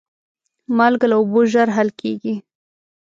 مالګه له اوبو ژر حل کېږي.